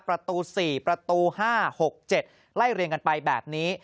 ประตู๔ประตู๕๖๗ไล่เรียงกันไปแบบนี้